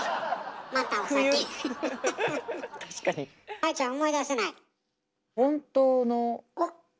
愛ちゃん思い出せない？